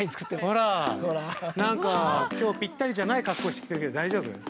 ほら、なんか、きょうぴったりじゃない格好してきてるけど、大丈夫？